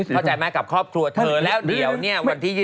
เขาจ่ายแม่กับครอบครัวเธอแล้วเดี๋ยวเนี่ย